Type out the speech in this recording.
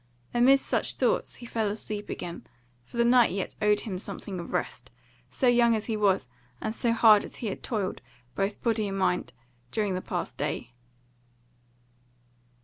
Amidst such thoughts he fell asleep again, for the night yet owed him something of rest, so young as he was and so hard as he had toiled, both body and mind, during the past day.